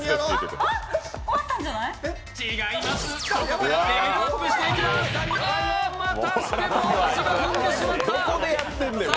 あー、またしても淡路が踏んでしまった。